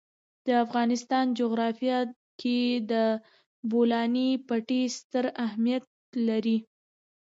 د افغانستان جغرافیه کې د بولان پټي ستر اهمیت لري.